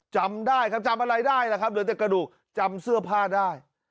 จำได้ครับจำอะไรได้แหละครับเหลือแต่กระดูกจำเสื้อผ้าได้